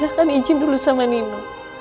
mama pasti akan ijin dulu sama nino